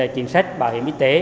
chính sách bảo hiểm y tế